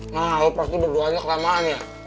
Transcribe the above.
nah lu pasti berdoanya kelamaan ya